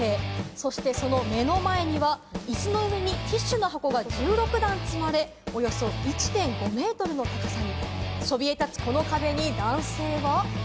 そしてその前には、椅子の上にティッシュの箱が１６段積まれ、およそ１．５メートルの高さに、そびえ立つこの壁に男性は。